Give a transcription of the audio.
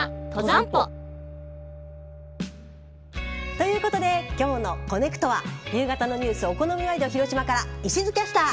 ということで今日の「コネクト」は夕方のニュース「お好みワイドひろしま」から石津キャスター。